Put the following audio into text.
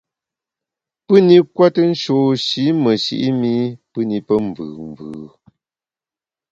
Pù-ni kwete nshôsh-i meshi’ mi pù ni pe mvùù mvù.